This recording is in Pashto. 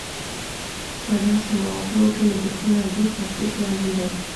په داسې مواقعو کې د دوښمن او دوست تفکیک معلوم دی.